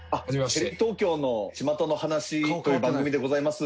テレビ東京の『巷の噺』という番組でございます。